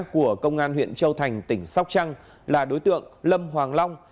của công an huyện châu thành tỉnh sóc trăng là đối tượng lâm hoàng long